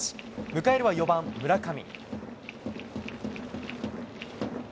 迎えるは４番村上。